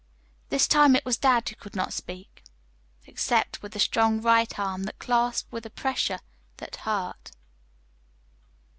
This time it was dad who could not speak except with a strong right arm that clasped with a pressure that hurt.